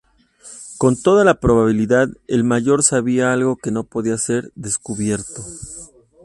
Con toda probabilidad, el Mayor sabía algo que no podía ser descubierto.